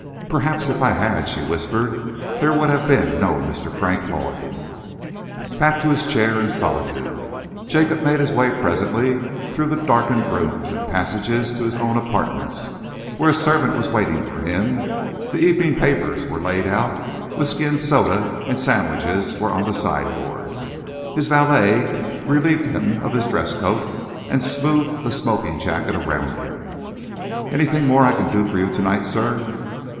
"Perhaps if I had," she whispered, "there would have been no Mr. Frank Lloyd."... Back to his chair and solitude. Jacob made his way presently through the darkened rooms and passages to his own apartments, where a servant was waiting for him, the evening papers were laid out, whisky and soda and sandwiches were on the sideboard. His valet relieved him of his dresscoat and smoothed the smoking jacket around him. "Anything more I can do for you to night, sir?"